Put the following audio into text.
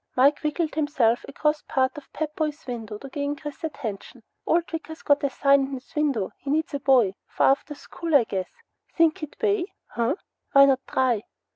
Mike wiggled himself across part of the Pep Boys' window to gain Chris's attention. "Old Wicker's got a sign in his window he needs a boy. For after school, I guess. Think he'd pay, huh? Whyncha try?"